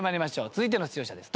続いての出場者です。